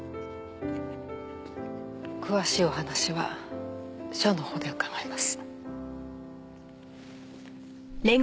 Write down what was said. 詳しいお話は署のほうで伺います。